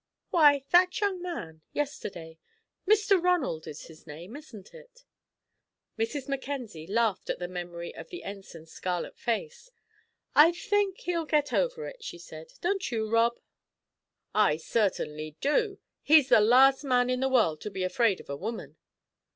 "Why, that young man yesterday. Mr. Ronald is his name, isn't it?" Mrs. Mackenzie laughed at the memory of the Ensign's scarlet face. "I think he'll get over it," she said; "don't you, Rob?" "I certainly do. He's the last man in the world to be afraid of a woman."